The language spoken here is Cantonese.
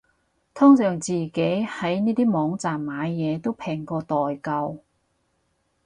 通常自己喺呢啲網站買嘢都平過代購